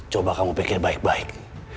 coba kamu pikir baik baik